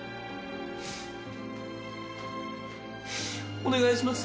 お願いします。